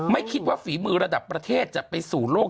ไม่คิดว่าฝีมือระดับประเทศจะไปสู่โลก